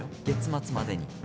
月末までに。